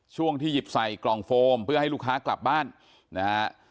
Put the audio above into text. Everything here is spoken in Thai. ช่วงที่หยิบใส่กล่องโฟมเพื่อให้ลูกค้ากลับบ้านนะฮะ